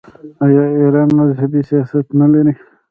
آیا ایران مذهبي سیاحت نلري؟